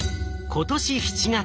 今年７月。